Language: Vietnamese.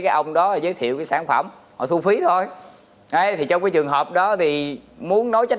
cái ông đó giới thiệu với sản phẩm ở thu phí thôi thế thì trong cái trường hợp đó thì muốn nói trách